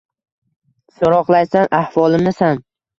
So’roqlaysan ahvolimni san…